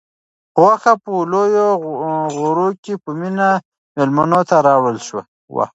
غوښه په لویو غوریو کې په مینه مېلمنو ته راوړل شوه.